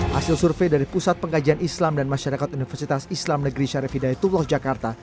hasil survei dari pusat pengkajian islam dan masyarakat universitas islam negeri syarif hidayatullah jakarta